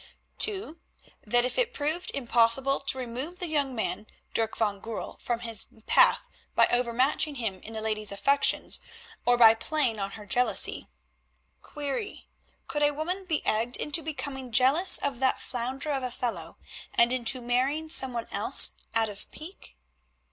(2) That if it proved impossible to remove the young man, Dirk van Goorl, from his path by overmatching him in the lady's affections, or by playing on her jealousy (Query: Could a woman be egged into becoming jealous of that flounder of a fellow and into marrying some one else out of pique?)